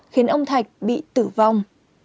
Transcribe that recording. khiến ông thạch bị tử vong